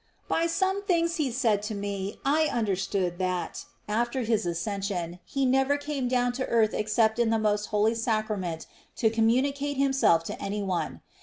By some things He said to me, I understood that, after His Ascension, He never came down to the earth except in the most Holy Sacrament to communicate Himself to any one.